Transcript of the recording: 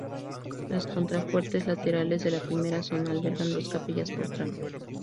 Los contrafuertes laterales de la primera zona albergan dos capillas por tramo.